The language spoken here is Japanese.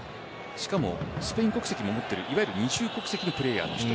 しかもスペイン国籍も持っている二重国籍のプレーヤーの１人。